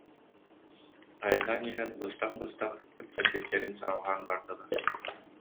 Айаннаан иһэн быстах-быстах кэпсэппиттэрин салҕаан бардылар